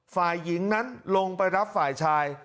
ฝ่ายหญิงนั้นลงไปรับฝ่ายชาย